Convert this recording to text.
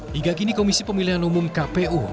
hingga kini komisi pemilihan umum kpu